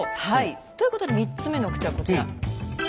はいということで３つ目の口はこちら。